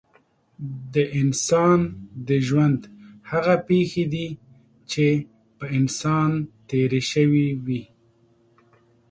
د انسان د ژوند هغه پېښې دي چې په انسان تېرې شوې وي.